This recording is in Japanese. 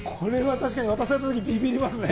渡されたときビビりますね。